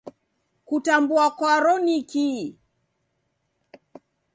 Kutambua kwaro nikii?